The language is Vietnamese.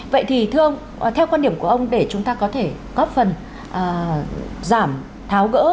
vậy thì thưa ông theo quan điểm của ông để chúng ta có thể góp phần giảm tháo gỡ